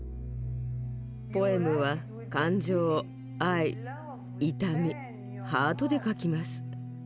ポエムは感情愛痛みハートで書きます。